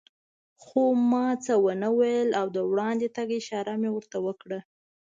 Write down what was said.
خو ما څه و نه ویل او د وړاندې تګ اشاره مې ورته وکړه.